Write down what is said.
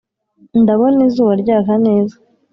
ndabona izuba ryaka neza